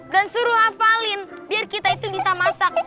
dan suruh hafalin biar kita itu bisa masak